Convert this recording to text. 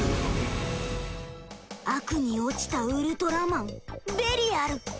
悪に落ちたウルトラマンベリアル。